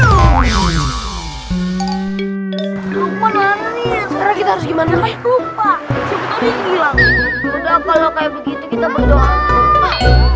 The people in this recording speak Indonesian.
sampai jumpa di video selanjutnya